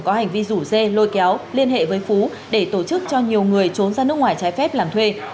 có hành vi rủ dê lôi kéo liên hệ với phú để tổ chức cho nhiều người trốn ra nước ngoài trái phép làm thuê